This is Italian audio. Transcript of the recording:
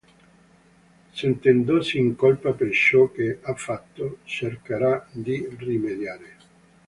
Sentendosi in colpa per ciò che ha fatto, cercherà di rimediare.